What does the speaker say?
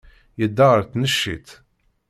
Yedda ɣer tneččit.